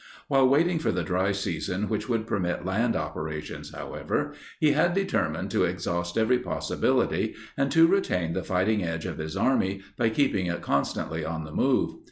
While waiting for the dry season which would permit land operations, however, he had determined to exhaust every possibility and to retain the fighting edge of his army by keeping it constantly on the move.